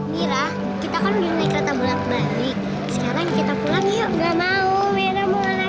mira kita kan udah naik kereta bulat balik